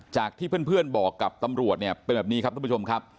จากที่เพื่อนบอกกับตำรวจเนี่ยเป็นแบบนี้ครับทุกผู้ชมครับ